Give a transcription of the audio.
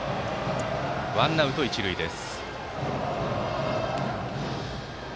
ワンアウト一塁です。